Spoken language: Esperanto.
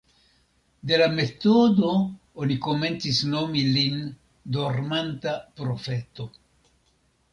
De la metodo oni komencis nomi lin dormanta profeto.